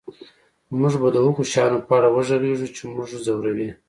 موږ به د هغو شیانو په اړه وغږیږو چې موږ ځوروي